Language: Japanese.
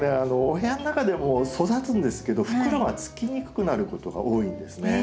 お部屋の中でも育つんですけど袋がつきにくくなることが多いんですね。